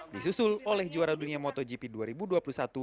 disusul oleh juara dunia motogp dua ribu dua puluh satu